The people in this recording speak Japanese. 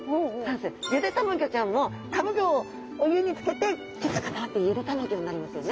ゆでたまギョちゃんもたまギョをお湯につけてキュッと固まってゆでたまギョになりますよね。